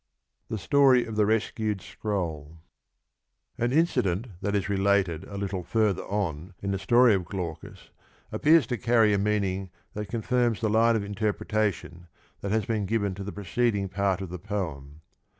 The story 01 Au iucideut that is related a little further on in the the rescued ^'■'"°" story of Glaucus appears to carry a meaning that con firms the line of interpretation that has been given to the preceding part of the poem.